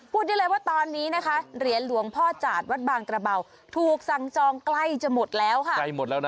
พูดดิเลยวะตอนนี้นะคะเหรียญหลวงพ่อจาบัดบานกระเบาถูกสั่งจองใกล้จะหมดแล้วค่ะ